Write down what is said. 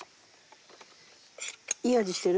いい味してる？